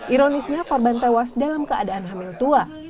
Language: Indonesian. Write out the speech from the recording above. ironisnya korban tewas dalam keadaan hamil tua